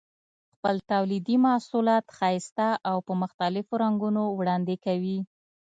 خپل تولیدي محصولات ښایسته او په مختلفو رنګونو وړاندې کوي.